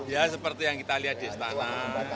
ya seperti yang kita lihat di istana